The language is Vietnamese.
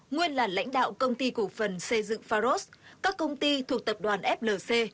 nguyên là lãnh đạo công ty cổ phần xây dựng pharos các công ty thuộc tập đoàn flc